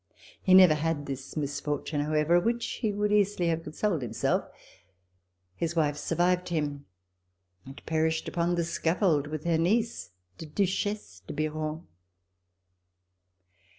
He never had this misfortune, however, of which he would easily have consoled himself. His wife survived him and perished upon the scaffold with her niece, the Duchesse de Biron.